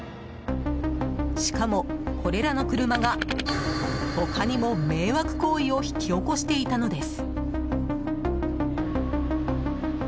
しかも、これらの車が他にも、迷惑行為を引き起こしていたのです。